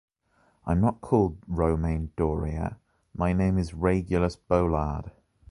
I’m not called Romain Doria, my name is Régulus Boulard.